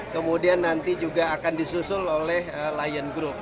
kemudian nanti juga akan disusul oleh lion group